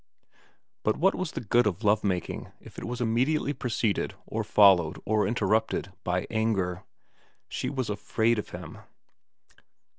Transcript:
But what was the good of love making if it was imme diately preceded or followed or interrupted by anger ? She was afraid of him.